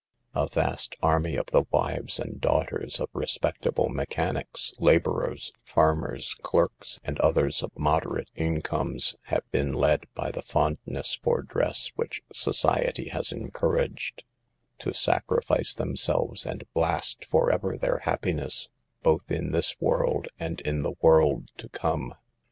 A vast army of the wives and daugh ters of respectable mechanics, laborers, farm ers, clerks and others of moderate incomes have been led by the fondness for dress which society has encouraged, to sacrifice themselves and blast forever their happiness, both in this world and in the world to come.